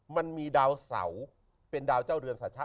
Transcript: มันมีดาวเสาเป็นดาวเจ้าเรือนสัชชา